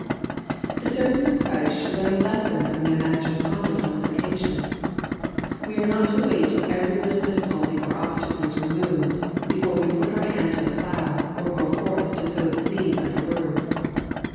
The servants of Christ should learn a lesson from their Master's conduct on this occasion. We are not to wait till every little difficulty or obstacle is removed, before we put our hand to the plough, or go forth to sow the seed of the word.